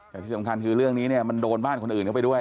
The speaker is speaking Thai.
แต่ที่สำคัญคือเรื่องนี้เนี่ยมันโดนบ้านคนอื่นเข้าไปด้วย